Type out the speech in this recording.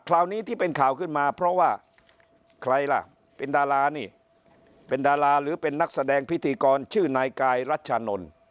คราวนี้ที่เป็นข่าวขึ้นมาเพราะว่าใครล่ะเป็นดารานี่เป็นดาราหรือเป็นนักแสดงพิธีกรชื่อนายกายรัชชานนท์